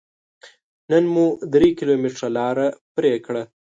نن مو درې کيلوميټره لاره پرې کړه.